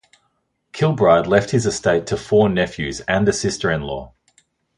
Kilbride left his estate to four nephews and a sister-in-law.